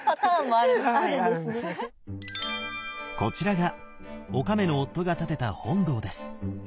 こちらがおかめの夫が建てた本堂です。